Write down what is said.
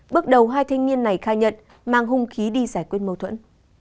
bước đầu hai thanh niên này khai nhận mang hung khí đi giải quyết mâu thuẫn